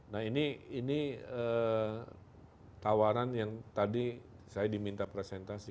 nah ini tawaran yang tadi saya diminta presentasi